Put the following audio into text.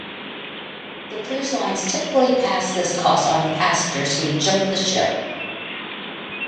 The cruise lines typically pass this cost on the passengers who "jump the ship".